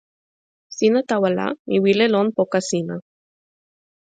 sina tawa la, mi wile lon poka sina.